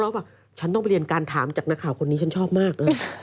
เราก็บอกฉันต้องไปเรียนการถามจากหน้าข่าวคนนี้ฉันชอบมาก